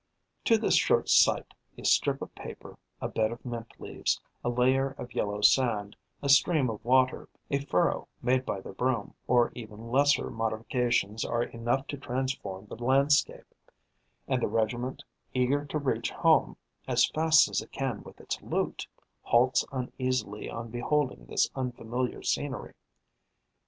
To this short sight, a strip of paper, a bed of mint leaves, a layer of yellow sand, a stream of water, a furrow made by the broom, or even lesser modifications are enough to transform the landscape; and the regiment, eager to reach home as fast as it can with its loot, halts uneasily on beholding this unfamiliar scenery.